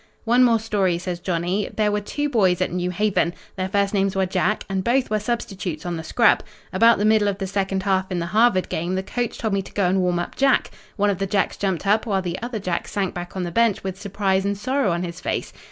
"One more story," says Johnny. "There were two boys at New Haven. Their first names were Jack, and both were substitutes on the scrub. About the middle of the second half in the Harvard game, the coach told me to go and warm up Jack. One of the Jacks jumped up, while the other Jack sank back on the bench with surprise and sorrow on his face.